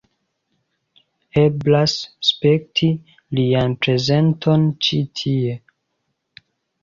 Eblas spekti lian prezenton ĉi tie.